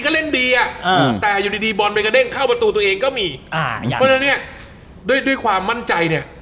อ่ายังเพราะฉะนั้นเนี้ยด้วยด้วยความมั่นใจเนี้ย